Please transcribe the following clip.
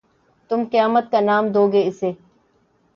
تم قیامت کا نام دو گے اِسے